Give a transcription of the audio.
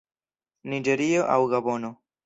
Niĝerio aŭ Gabono.